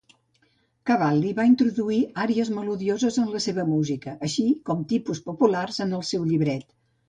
Cavalli va introduir àries melodioses en la seva música, així com tipus populars en el seu llibret.